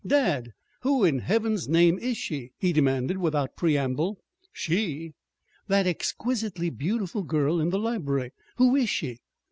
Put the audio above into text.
"Dad, who in Heaven's name is she?" he demanded without preamble. "She?" "That exquisitely beautiful girl in the library. Who is she?"